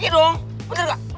iya dong bener gak bener dong